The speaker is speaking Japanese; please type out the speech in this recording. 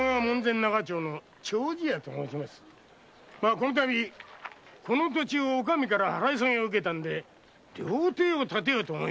今度この土地をお上から払い下げを受けたんで料亭を建てようと思い